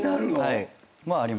はい。